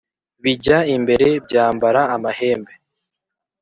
bijya imbere byambara amahembe